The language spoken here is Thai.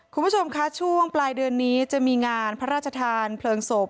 คุณผู้ชมคะช่วงปลายเดือนนี้จะมีงานพระราชทานเพลิงศพ